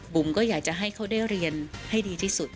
ก็อยากจะให้เขาได้เรียนให้ดีที่สุด